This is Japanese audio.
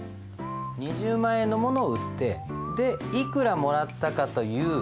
２０万円のものを売っていくらもらったかというと。